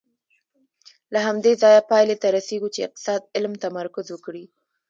له همدې ځایه پایلې ته رسېږو چې اقتصاد علم تمرکز وکړي.